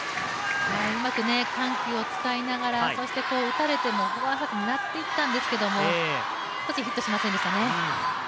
うまく緩急を使いながら、打たれてもフォアハンドを狙っていったんですけど少しヒットしませんでしたね。